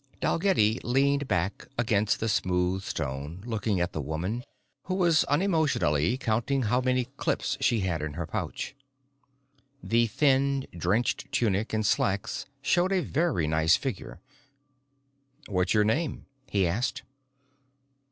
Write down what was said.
Dalgetty leaned back against the smooth stone, looking at the woman, who was unemotionally counting how many clips she had in her pouch. The thin drenched tunic and slacks showed a very nice figure. "What's your name?" he asked.